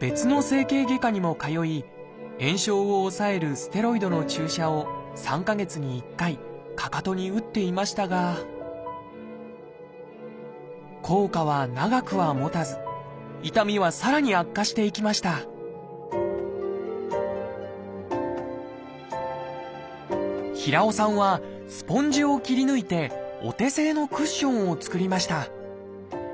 別の整形外科にも通い炎症を抑えるステロイドの注射を３か月に１回かかとに打っていましたが効果は長くはもたず痛みはさらに悪化していきました平尾さんはスポンジを切り抜いてお手製のクッションを作りました。